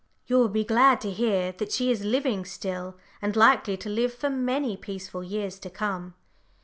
You will be glad to hear that she is living still, and likely to live for many peaceful years to come.